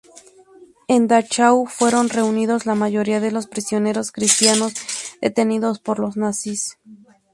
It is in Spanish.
En Dachau fueron reunidos la mayoría de los prisioneros cristianos detenidos por los nazis.